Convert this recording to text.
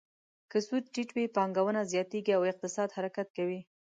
که سود ټیټ وي، پانګونه زیاتیږي او اقتصاد حرکت کوي.